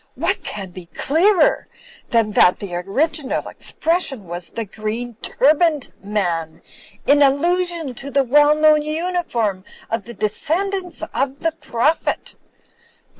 What can be clearer than that the original expression, was 'the green turban'd man,' in allusion to the well known uniform of the descend ants of the Prophet?